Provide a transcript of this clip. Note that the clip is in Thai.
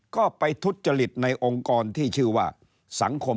ก็ไปทุจริตในองค์กรที่ชื่อว่าสังคม